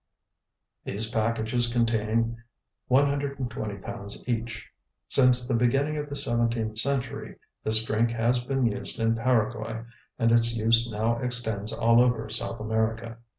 These packages contain 120 pounds each. Since the beginning of the seventeenth century this drink has been used in Paraguay, and its use now extends all over South America.